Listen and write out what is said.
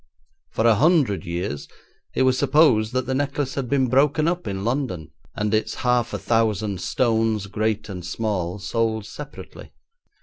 For a hundred years it was supposed that the necklace had been broken up in London, and its half a thousand stones, great and small, sold separately.